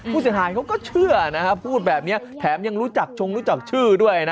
ผู้ชายเขาก็เชื่อนะครับพูดแบบเนี่ยแถมยังรู้จักชงรู้จักชื่อด้วยนะ